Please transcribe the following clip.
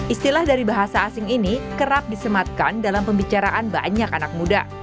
istilah dari bahasa asing ini kerap disematkan dalam pembicaraan banyak anak muda